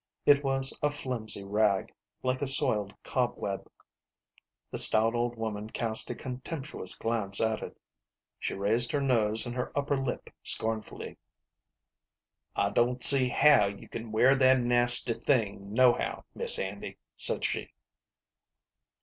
It was a flimsy rag, like a soiled cobweb. The stout old woman cast a contemptuous glance at it. She raised her nose and her upper lip scornfully. " I don't see how you can wear that nasty thing nohow, Mis' Handy/' said she.